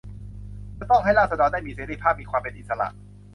จะต้องให้ราษฎรได้มีเสรีภาพ มีความเป็นอิสระ